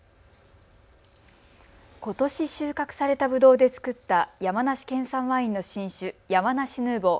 ことし収穫されたぶどうで造った山梨県産ワインの新酒、山梨ヌーボー。